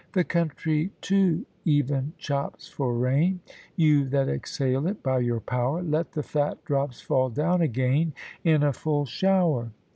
The country too even chops for rain; You that exhale it by your power, Let the fat drops fall down again In a full shower.